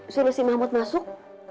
suruh si mahmud masuk